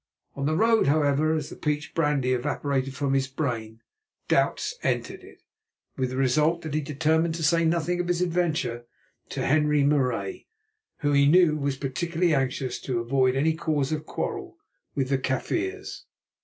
On the road, however, as the peach brandy evaporated from his brain, doubts entered it, with the result that he determined to say nothing of his adventure to Henri Marais, who he knew was particularly anxious to avoid any cause of quarrel with the Kaffirs.